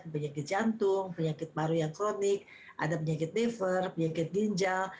penyakit jantung penyakit paru yang kronik ada penyakit liver penyakit ginjal